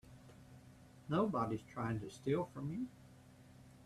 Nobody's trying to steal from you.